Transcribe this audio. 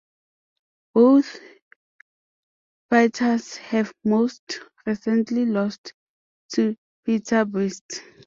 Both fighters have most recently lost to Pieter Buist.